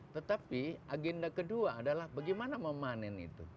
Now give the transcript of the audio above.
tetapi agenda kedua adalah bagaimana memanen itu